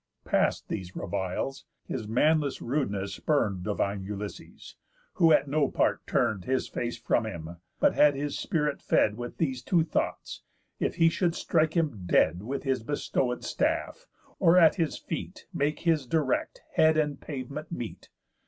Past these reviles, his manless rudeness spurn'd Divine Ulysses; who at no part turn'd His face from him, but had his spirit fed With these two thoughts, if he should strike him dead With his bestowéd staff, or at his feet Make his direct head and the pavement meet.